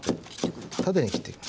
縦に切ってく。